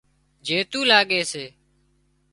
جيتُو لاڳي سي